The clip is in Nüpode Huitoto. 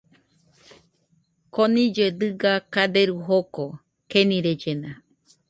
Konillɨe dɨga kaderu joko, kenirellena.